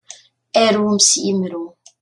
Arum s yimru.